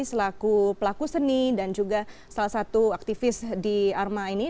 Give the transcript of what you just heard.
selaku pelaku seni dan juga salah satu aktivis di arma ini